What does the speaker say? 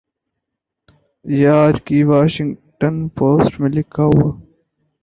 یہ آج کی واشنگٹن پوسٹ میں لکھا ہوا